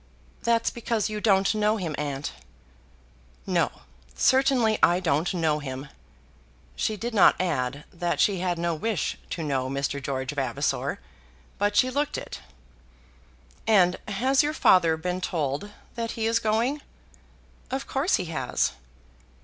"That's because you don't know him, aunt." "No; certainly I don't know him." She did not add that she had no wish to know Mr. George Vavasor, but she looked it. "And has your father been told that he is going?" "Of course he has."